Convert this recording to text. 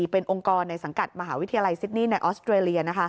เป็นองค์กรในสังกัดมหาวิทยาลัยซิดนี่ในออสเตรเลีย